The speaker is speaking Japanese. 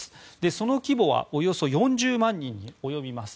その規模はおよそ４０万人に及びます。